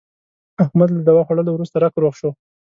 احمد له دوا خوړلو ورسته رک روغ شو.